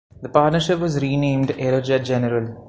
The partnership was renamed Aerojet-General.